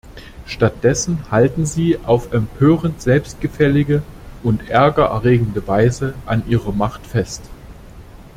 Stattdessen halten sie auf empörend selbstgefällige und Ärger erregende Weise an ihrer Macht fest.